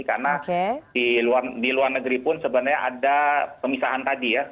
karena di luar negeri pun sebenarnya ada pemisahan tadi ya